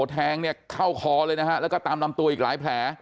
แทงเข้าคอแล้วก็ตามนำตัวอีกหลายแผล